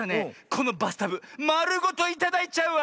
このバスタブまるごといただいちゃうわ。